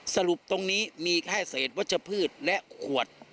สารุปตรงนี้มีก่ายเสร็จวัตเฉพาะพืชและขวด